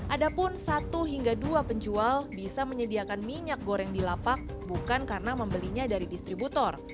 ada pun satu hingga dua penjual bisa menyediakan minyak goreng di lapak bukan karena membelinya dari distributor